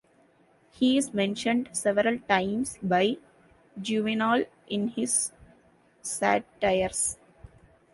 He is mentioned several times by Juvenal, in his "Satires".